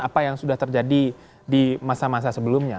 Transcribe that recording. apa yang sudah terjadi di masa masa sebelumnya